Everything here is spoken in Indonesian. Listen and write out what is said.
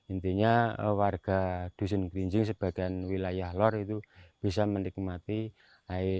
intinya warga dukuh kerinjing sebagai wilayah lor itu bisa menikmati air